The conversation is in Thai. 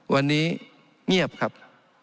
วันนี้เงียบครับ